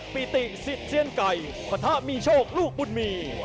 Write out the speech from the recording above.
๕ปีติศิษย์เชียงไก่ปฏมีโชคลูกบุญมี